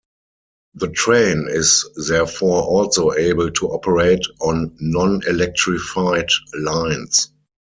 The train is therefore also able to operate on non-electrified lines.